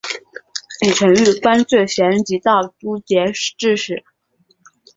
李澄玉官至咸吉道都节制使。